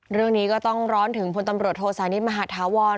เรื่องนี้ก็ต้องร้อนถึงพตโศนิษฐ์มหาธาวรรณ์